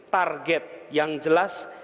target yang jelas